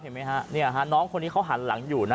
เห็นไหมฮะน้องคนนี้เขาหันหลังอยู่นะ